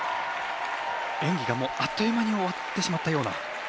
演技があっという間に終わってしまうような。